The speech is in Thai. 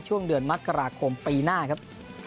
ช่วงเดือนมกราคมปีหน้าครับ